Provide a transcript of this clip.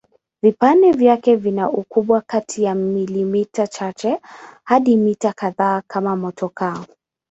Vipande vyake vina ukubwa kati ya milimita chache hadi mita kadhaa kama motokaa.